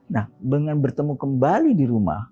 nah dengan bertemu kembali di rumah